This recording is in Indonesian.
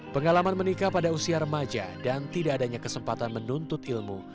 pengalaman menikah pada usia remaja dan tidak adanya kesempatan menuntut ilmu